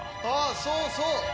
ああそうそう！